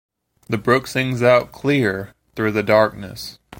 The brook sings out clear through the darkness.